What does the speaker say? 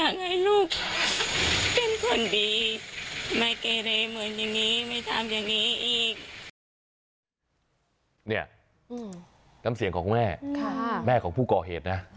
น้ำเสียงของแม่แม่ของผู้ก่อเหตุนะ